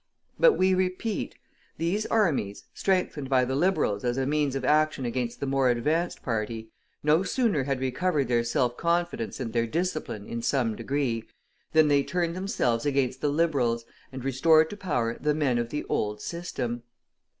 But we repeat: these armies, strengthened by the Liberals as a means of action against the more advanced party, no sooner had recovered their self confidence and their discipline in some degree, than they turned themselves against the Liberals, and restored to power the men of the old system.